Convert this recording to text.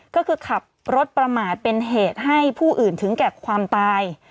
ก็คือขับรถประมาทเป็นเหตุให้ผู้อื่นถึงแก่ความตาย